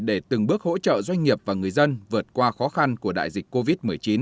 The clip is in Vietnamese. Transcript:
để từng bước hỗ trợ doanh nghiệp và người dân vượt qua khó khăn của đại dịch covid một mươi chín